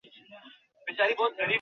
তিনি তার পেস বোলিংয়ে বিমোহিত করেন।